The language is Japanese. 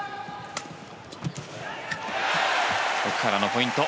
奥原のポイント。